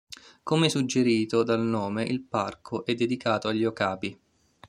Come suggerito dal nome, il parco è dedicato agli okapi.